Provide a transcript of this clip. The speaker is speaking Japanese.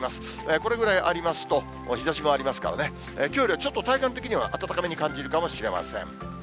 これぐらいありますと、日ざしもありますからね、きょうよりはちょっと体感的には暖かめに感じるかもしれません。